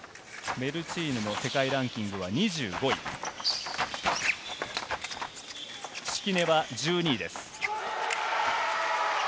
メルチーヌの世界ランキングは２５位、敷根は１２位です。